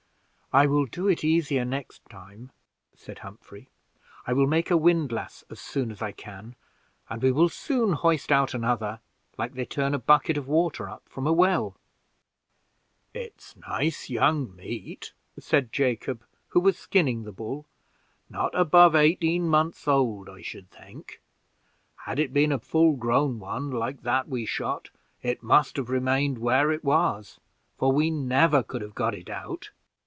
"I will do it easier next time," said Humphrey. "I will make a windlass as soon as I can, and we will soon hoist out another, like they turn a bucket of water up from a well." "It's nice young meat," said Jacob, who was skinning the bull, "not above eighteen months old, I should think. Had it been a full grown one, like that we shot, it must have remained where it was, for we never could have got it out."